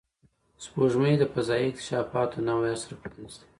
سپوږمۍ د فضایي اکتشافاتو نوی عصر پرانستی